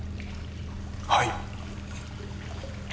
はい。